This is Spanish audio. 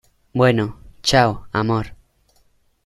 bueno. chao, amor .